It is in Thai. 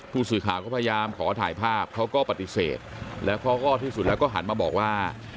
ผู้สื่อข่าวก็พยายามขอถ่ายภาพเขาก็ปฏิเสธแล้วเขาก็ที่สุดแล้วก็หันมาบอกว่า